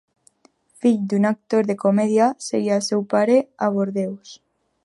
Fill d’un actor de comèdia segui al seu pare a Bordeus.